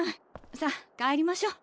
さあ帰りましょう。